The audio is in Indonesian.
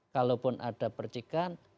kalaupun ada percikan